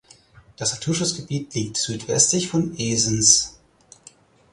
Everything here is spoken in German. Das Naturschutzgebiet liegt südwestlich von Esens.